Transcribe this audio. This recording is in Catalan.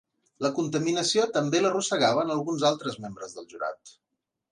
La contaminació també l’arrossegaven alguns altres membres del jurat.